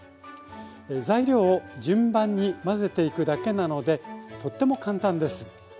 材料を順番に混ぜていくだけなのでとっても簡単です。